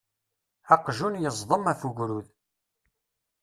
Aqjun yeẓdem af ugrud.